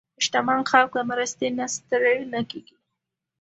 شتمن خلک له مرستې نه ستړي نه کېږي.